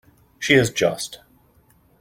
She is just.